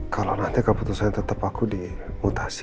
kalau nanti keputusan tetap aku diputasi